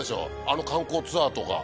あの観光ツアーとか。